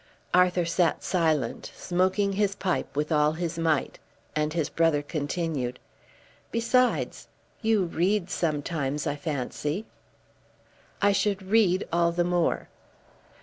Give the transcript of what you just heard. Arthur sat silent, smoking his pipe with all his might, and his brother continued, "Besides, you read sometimes, I fancy." "I should read all the more."